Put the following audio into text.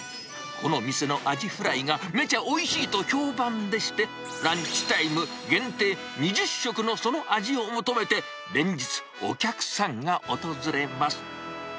この店のアジフライがめちゃおいしいと評判でして、ランチタイム限定２０食のその味を求めて、連日、お客さんが訪れます。